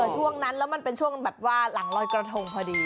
ช่วงนั้นแล้วมันเป็นช่วงแบบว่าหลังลอยกระทงพอดี